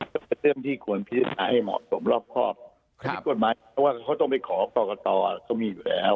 ก็เป็นเรื่องที่ควรพิจารณาให้เหมาะสมรอบครอบอันนี้กฎหมายเพราะว่าเขาต้องไปขอกรกตเขามีอยู่แล้ว